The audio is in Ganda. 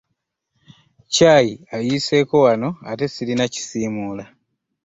Caayi ayiiseeko wano ate sirina kisiimuula.